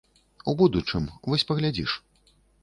У будучым, вось паглядзіш.